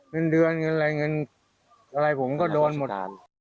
เงินเดือนเงินอะไรเงินอะไรผมก็โดนหมด